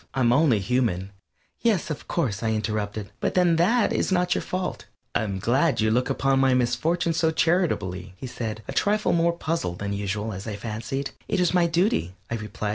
I'm only human " "Yes, of course," I interrupted, "but then that is not your fault " "I'm glad you look upon my misfortune so charitably," he said, a trifle more puzzled than usual, as I fancied. "It is my duty," I replied.